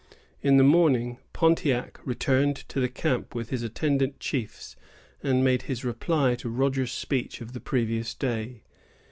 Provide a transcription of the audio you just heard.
In the morning, Pontiac returned to the camp with his attendant chiefs, and made his reply to Rogers's speech of the previous day.